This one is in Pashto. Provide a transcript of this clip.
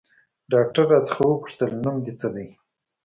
ډاکتر راڅخه وپوښتل نوم دې څه ديه.